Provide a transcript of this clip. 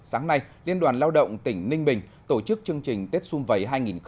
sáng nay liên đoàn lao động tỉnh ninh bình tổ chức chương trình tết xuân vầy hai nghìn hai mươi